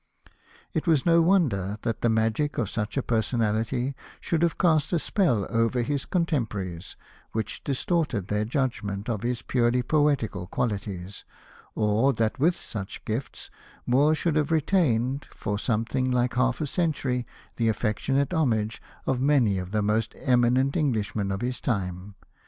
It w^as no wonder that the magic of such a personality should have cast a spell over his contemporaries, which distorted their judg ment of his purely poetical qualities, or that with such gifts Moore should have retained, for something like half a century, the affectionate homage of many of the most eminent Englishmen of his time.